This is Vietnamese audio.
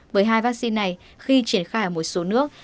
với hai vaccine này khi triển khai ở một số nước